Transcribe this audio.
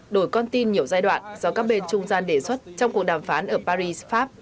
đổi con tin nhiều giai đoạn do các bên trung gian đề xuất trong cuộc đàm phán ở paris pháp